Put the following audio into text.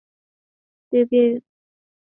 治今额济纳旗西南。